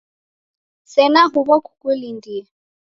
Sena huw'o, kukulindie.